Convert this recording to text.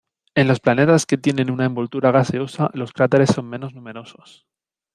En los planetas que tienen una envoltura gaseosa los cráteres son menos numerosos.